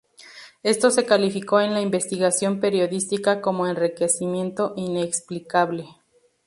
Esto se calificó en la investigación periodística como "enriquecimiento inexplicable".